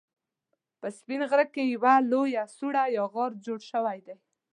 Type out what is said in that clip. په سپين غره کې يوه لويه سوړه يا غار جوړ شوی دی